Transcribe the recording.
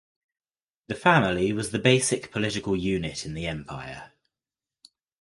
The family was the basic political unit in the empire.